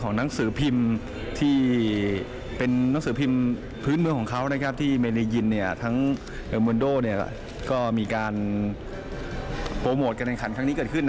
โก้เนี่ยมีการโปรโมทการแข่งขันขั้นขึ้น